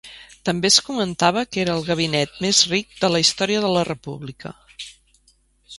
També es comentava que era el gabinet més ric de la història de la República.